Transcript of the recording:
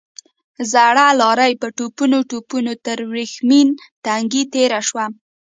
زړه لارۍ په ټوپونو ټوپونو تر ورېښمين تنګي تېره شوه.